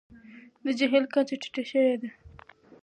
د جهیل کچه ټیټه شوې ده.